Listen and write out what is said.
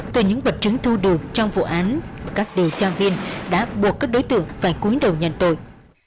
từ những vật chứng thu được trong vụ án các điều tra viên đã buộc các đối tượng phải cuối đầu nhận tội